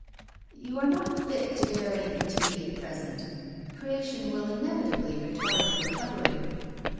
" You are not fit to bear any fatigue at present. Creation will inevitably retard your recovery."